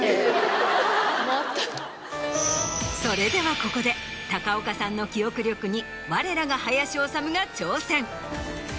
それではここで高岡さんの記録力にわれらが林修が挑戦。